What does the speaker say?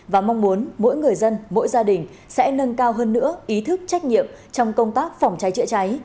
và mong muốn mỗi người dân mỗi gia đình sẽ nâng cao hơn nữa ý thức trách nhiệm trong công tác phòng cháy chữa cháy